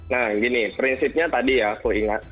nah gini prinsipnya tadi ya aku ingat